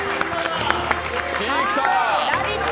「ラヴィット！」